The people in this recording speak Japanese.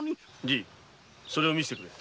じぃそれを見せてくれ。